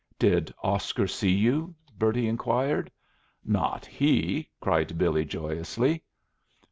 "Did Oscar see you?" Bertie inquired. "Not he," cried Billy, joyously.